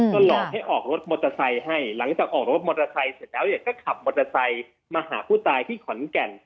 ก็หลอกให้ออกรถมอเตอร์ไซค์ให้หลังจากออกรถมอเตอร์ไซค์เสร็จแล้วเนี่ยก็ขับมอเตอร์ไซค์มาหาผู้ตายที่ขอนแก่น